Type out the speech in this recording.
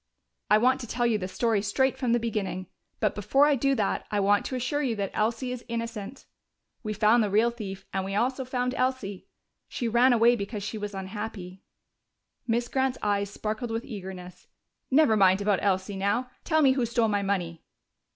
"I want to tell you the story straight from the beginning. But before I do that, I want to assure you that Elsie is innocent. We found the real thief, and we also found Elsie. She ran away because she was unhappy." Miss Grant's eyes sparkled with eagerness. "Never mind about Elsie now. Tell me who stole my money."